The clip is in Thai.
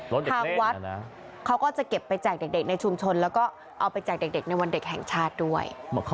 ทางวัดเขาก็จะเก็บไปแจกเด็กในชุมชนแล้วก็เอาไปแจกเด็กในวันเด็กแห่งชาติด้วย